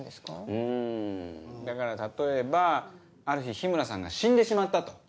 うんだから例えばある日日村さんが死んでしまったと。